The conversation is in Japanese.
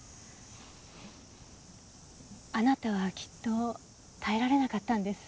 あなたはきっと耐えられなかったんです。